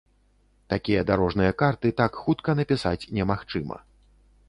Такія дарожныя карты так хутка напісаць немагчыма.